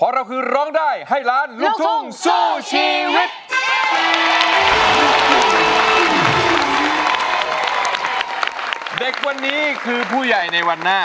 เด็กวันนี้คือผู้ใหญ่ในวันหน้า